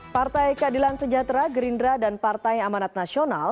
partai keadilan sejahtera gerindra dan partai amanat nasional